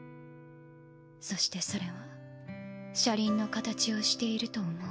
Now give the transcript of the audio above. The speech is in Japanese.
そしてそれは車輪の形をしていると思う。